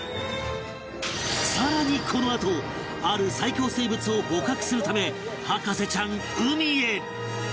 更にこのあとある最恐生物を捕獲するため博士ちゃん海へ！